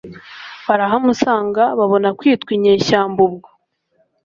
barahamusanga babona kwitwa inyeshyamba ubwo